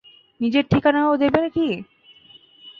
নিজের ঠিকানাটাও দেবে কি?